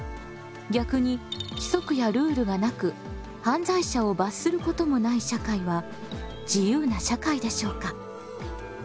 逆に規則やルールがなく犯罪者を罰することもない社会は自由な社会でしょうか？